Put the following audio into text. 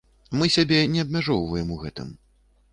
Мы сябе не абмяжоўваем у гэтым.